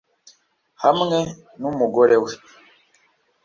'hamwe numugore we